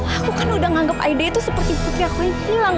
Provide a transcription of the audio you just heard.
aku kan udah nganggep aida itu seperti putri aku ini